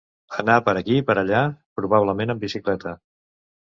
Anar per aquí per allà, probablement en bicicleta.